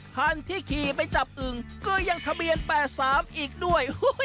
ท่านที่ขี่ไปจับอึงก็ยังทะเบียนแปดสามอีกด้วย